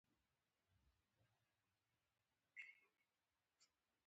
د شمالي امريکا د دوه هيوادونو نومونه ووایاست.